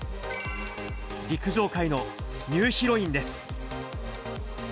陸上界のニューヒロインです。